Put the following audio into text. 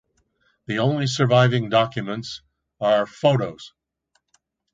The only surviving documents are photos.